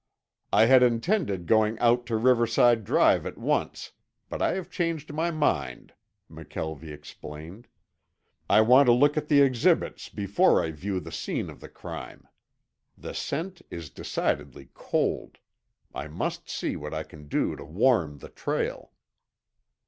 "I had intended going out to Riverside Drive at once, but I have changed my mind," McKelvie explained. "I want to look at the exhibits before I view the scene of the crime. The scent is decidedly cold. I must see what I can do to warm the trail."